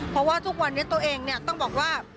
เพราะว่าทุกวันนี้ตัวเองเนี่ยต้องบอกว่า